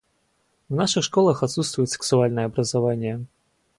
В наших школах отсутствует сексуальное образование.